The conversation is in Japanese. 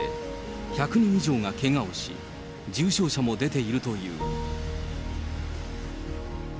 １００人以上がけがをし、重症者も出ているという。